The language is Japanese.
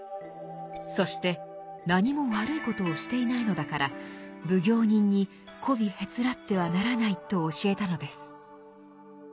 そして何も悪いことをしていないのだから奉行人にこびへつらってはならないと教えたのです。